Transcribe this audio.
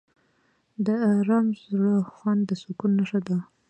د آرام زړه خوند د سکون نښه ده.